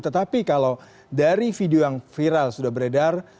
tetapi kalau dari video yang viral sudah beredar